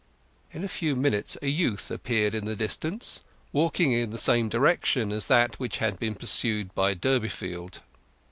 In a few minutes a youth appeared in the distance, walking in the same direction as that which had been pursued by Durbeyfield.